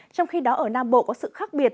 trong khi đó ở nam bộ có sự khác biệt